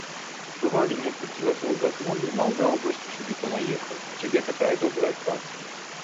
Бывалі некалькі разоў размовы, маўляў, вось ты сюды панаехаў, у цябе такая добрая праца.